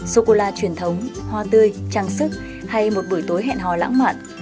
sô cô la truyền thống hoa tươi trang sức hay một buổi tối hẹn hò lãng mạn